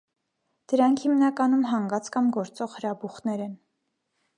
Դրանք հիմնականում հանգած կամ գործող հրաբուխներ են։